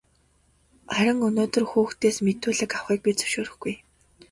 Харин өнөөдөр хүүхдээс мэдүүлэг авахыг бид зөвшөөрөхгүй.